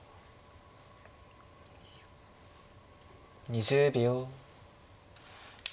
２０秒。